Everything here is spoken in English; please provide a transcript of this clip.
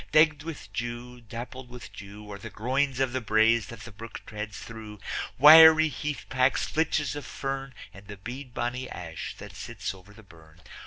Degged with dew, dappled with dew Are the groins of the braes that the brook treads through, Wiry heathpacks, flitches of fern, And the beadbonny ash that sits over the burn.